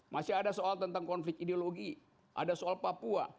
masih ada soal tentang konflik ideologi ada soal papua